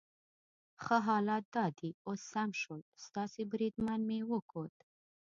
ښه، حالات دا دي اوس سم شول، ستاسي بریدمن مې وکوت.